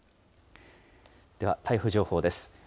では、台風情報です。